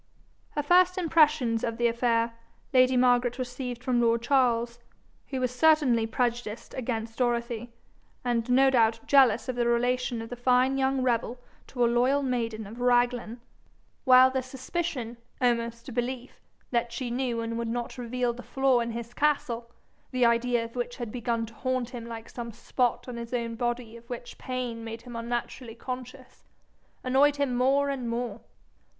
Her first impressions of the affair, lady Margaret received from lord Charles, who was certainly prejudiced against Dorothy, and no doubt jealous of the relation of the fine young rebel to a loyal maiden of Raglan; while the suspicion, almost belief, that she knew and would not reveal the flaw in his castle, the idea of which had begun to haunt him like some spot in his own body of which pain made him unnaturally conscious, annoyed him more and more.